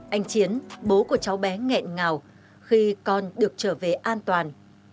anh chiến bố của cháu bé nghẹn ngào khi con được trở về an toàn